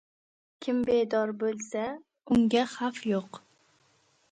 • Kim bedor bo‘lsa, unga xavf yo‘q.